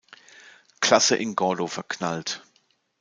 Klasse in Gordo verknallt.